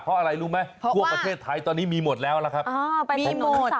เพราะอะไรรู้ไหมทั่วประเทศไทยตอนนี้มีหมดแล้วล่ะครับ